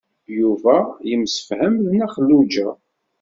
Yuba yemsefham d Nna Xelluǧa.